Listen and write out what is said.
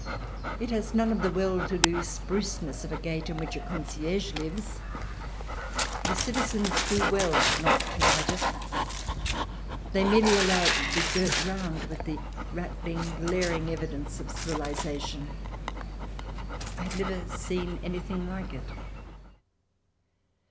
It has none of the well to do spruceness of a gate in which a concierge lives. The citizens do well not to light it ; they merely allow it to be girt round with the rattling, glaring evidence of civilization. I had never seen anything like it.